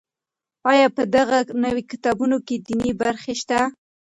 آیا په دغه نوي کتابتون کې دیني برخې شته؟